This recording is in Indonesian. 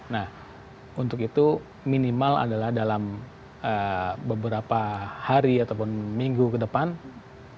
nah untuk itu minimal adalah dalam beberapa hari ataupun minggu ke depan